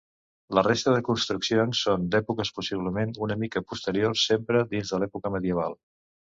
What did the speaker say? La resta de construccions són d'èpoques possiblement una mica posteriors, sempre dins de l'època medieval.